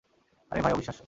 আরে ভাই অবিশ্বাস্য।